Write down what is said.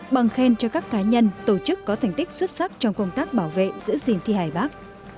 bằng khen cho các cá nhân tổ chức có thành tích xuất sắc trong công tác bảo vệ giữ gìn thi hài bắc